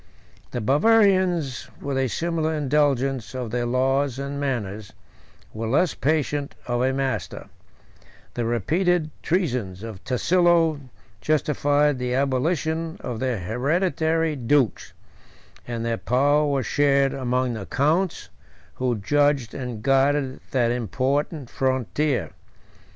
The Bavarians, with a similar indulgence of their laws and manners, were less patient of a master: the repeated treasons of Tasillo justified the abolition of their hereditary dukes; and their power was shared among the counts, who judged and guarded that important frontier.